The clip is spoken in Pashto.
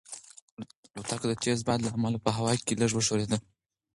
الوتکه د تېز باد له امله په هوا کې لږه وښورېده.